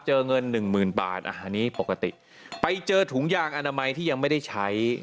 เงินหนึ่งหมื่นบาทอันนี้ปกติไปเจอถุงยางอนามัยที่ยังไม่ได้ใช้